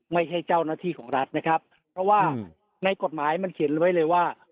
ไม่ใช่เจ้าหน้าที่ของรัฐนะครับเพราะว่าในกฎหมายมันเขียนไว้เลยว่า